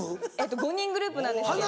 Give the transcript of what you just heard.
５人グループなんですけど。